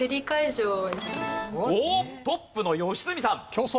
おっトップの良純さん。